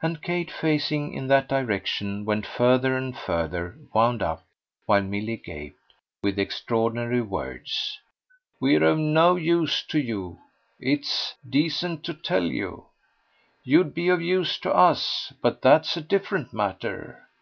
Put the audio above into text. And Kate, facing in that direction, went further and further; wound up, while Milly gaped, with extraordinary words. "We're of no use to you it's decent to tell you. You'd be of use to us, but that's a different matter.